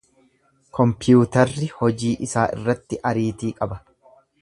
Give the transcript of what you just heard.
Kompiyuutarri hojii ofiisaa irratti ariitii qaba.